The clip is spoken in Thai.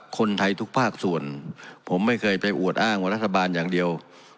คนไทยทุกภาคส่วนผมไม่เคยไปอวดอ้างว่ารัฐบาลอย่างเดียว